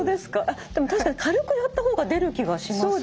あっでも確かに軽くやった方が出る気がします。